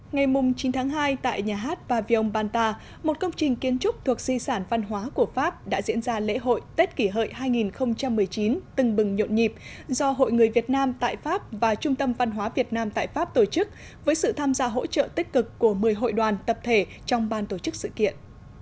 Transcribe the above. ngày chín tháng hai tại nhà hát vaviong banta một công trình kiến trúc thuộc di sản văn hóa của pháp đã diễn ra lễ hội tết kỷ hợi hai nghìn một mươi chín từng bừng nhộn nhịp do hội người việt nam tại pháp và trung tâm văn hóa việt nam tại pháp tổ chức với sự tham gia hỗ trợ tích cực của một mươi hội đoàn tập thể trong ban tổ chức sự kiện